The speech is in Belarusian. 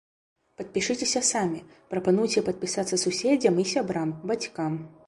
Падпішыцеся самі, прапануйце падпісацца суседзям і сябрам, бацькам!